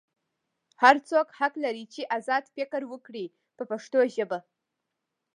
هر څوک حق لري چې ازاد فکر وکړي په پښتو ژبه.